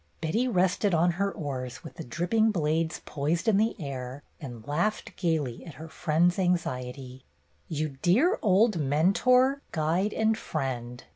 Betty rested on her oars, with the dripping blades poised in the air, and laughed gayly at her friend's anxiety. "You dear old Mentor, Guide, and Friend